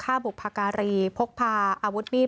คุณผู้สายรุ่งมโสผีอายุ๔๒ปี